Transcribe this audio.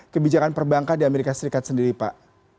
kebijakan perbankan di amerika serikat sendiri pak